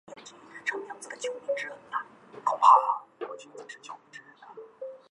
短序棘豆为豆科棘豆属下的一个种。